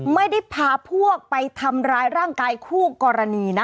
ไม่ได้พาพวกไปทำร้ายร่างกายคู่กรณีนะ